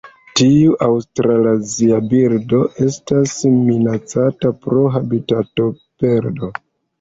Tiu aŭstralazia birdo estas minacata pro habitatoperdo.